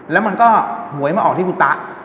แล้วมันก็หวยมาออกที่กุตะ